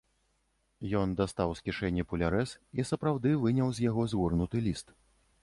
Ён дастаў з кішэні пулярэс і сапраўды выняў з яго згорнуты ліст.